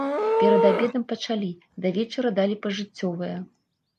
Перад абедам пачалі, да вечара далі пажыццёвае.